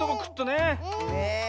ねえ。